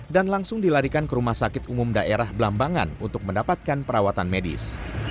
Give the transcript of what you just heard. dan langsung dilarikan ke rumah sakit umum daerah belambangan untuk mendapatkan perawatan medis